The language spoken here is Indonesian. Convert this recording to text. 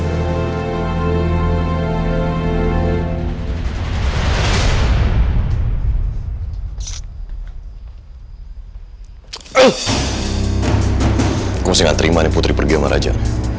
aku masih gak terima nih putri pergi sama raja